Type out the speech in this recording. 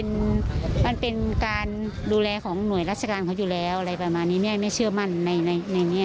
มันมันเป็นการดูแลของหน่วยราชการเขาอยู่แล้วอะไรประมาณนี้แม่ไม่เชื่อมั่นในในแง่